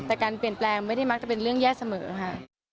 แต่การเปลี่ยนแปลงไม่ได้มักจะเป็นเรื่องแย่เสมอค่ะ